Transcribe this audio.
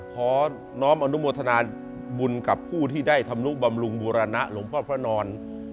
ขอน้อมอนุโมทนาบุญกับผู้ที่ได้ทำนุบำรุงบูรณะหลวงพ่อพระนอน